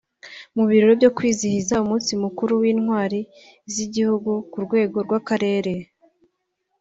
mu birori byo kwizihiza umunsi mukuru w’intwari z’igihugu ku rwego rw’akarere